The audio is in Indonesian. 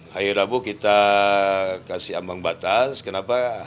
hari rabu kita kasih ambang batas kenapa